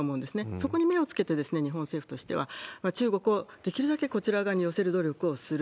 そこに目をつけて、日本政府としては、中国をできるだけこちら側に寄せる努力をする。